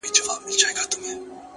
شپه كي هم خوب نه راځي جانه زما!!